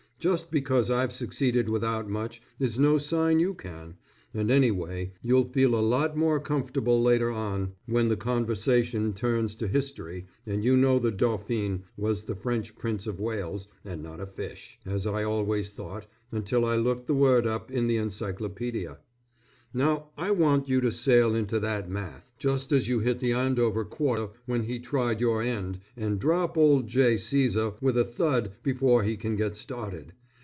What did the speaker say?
Just because I've succeeded without much, is no sign you can, and anyway you'll feel a lot more comfortable later on when the conversation turns to history, and you know the Dauphin was the French Prince of Wales, and not a fish, as I always thought, until I looked the word up in the Encyclopedia. Now I want you to sail into that Math., just as you hit the Andover quarter when he tried your end, and drop old J. Cæsar with a thud before he can get started.